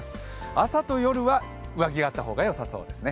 朝と夜は上着があった方がよさそうですね。